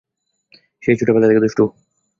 সে ছোটবেলা থেকে দুষ্টু।